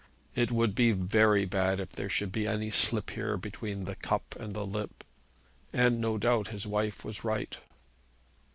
It would be very bad if there should be any slip here between the cup and the lip; and, no doubt, his wife was right.